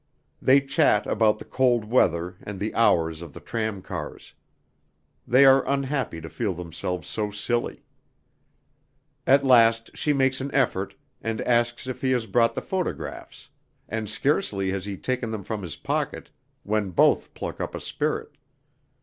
They chat about the cold weather and the hours of the tramcars. They are unhappy to feel themselves so silly. At last she makes an effort and asks if he has brought the photographs, and scarcely has he taken them from his pocket when both pluck up a spirit.